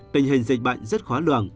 tình hình dịch bệnh rất khó lường